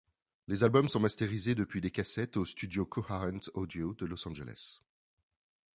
Les albums sont masterisés depuis les cassettes au studio CoHearent Audio de Los Angeles.